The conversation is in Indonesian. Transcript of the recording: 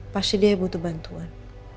pasti dia butuh bantuan